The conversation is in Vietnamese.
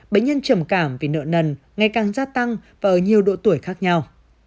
bệnh nhân trầm cảm vì nợ nần ngày càng gia tăng ở nhiều độ tuổi khác nhau